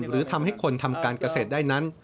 หรือทำให้คนทำการเกษตรได้นั้น